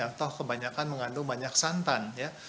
atau kebanyakan mengandung banyak santan ya